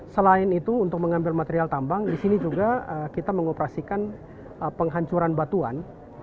selain itu untuk mengambil material tambang di sini juga kita mengoperasikan penghancuran batuan